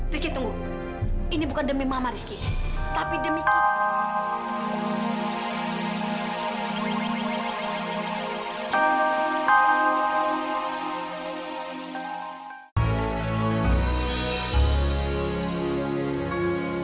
riky tunggu ini bukan demi mama rizky tapi demi ki